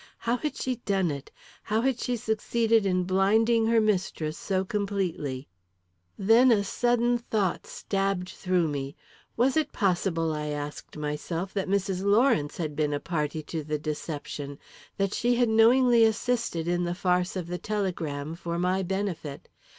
How had she done it? How had she succeeded in blinding her mistress so completely? Then a sudden thought stabbed through me. Was it possible, I asked myself, that Mrs. Lawrence had been a party to the deception that she had knowingly assisted in the farce of the telegram, for my benefit?